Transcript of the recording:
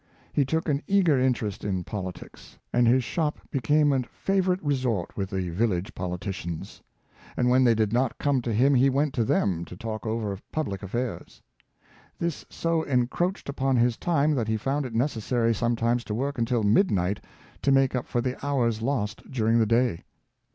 He took an eager interest in politics, and his shop became a favorite resort with the village politicians. And when they did not come to him, he went to them to talk over public affairs. This so encroached upon his time that he found it necessary sometimes to work until midnight to make up for the hours lost during the day.